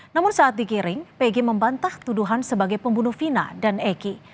namun saat digiring pg membantah tuduhan sebagai pembunuh vina dan eki